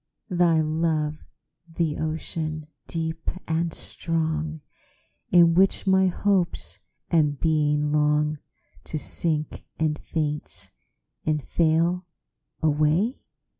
Thy love the ocean, deep and strong, In which my hopes and being longTo sink and faint and fail away?